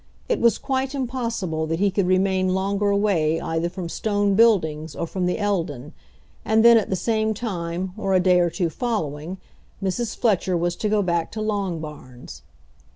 It was quite impossible that he could remain longer away either from Stone Buildings or from the Eldon, and then at the same time, or a day or two following, Mrs. Fletcher was to go back to Longbarns.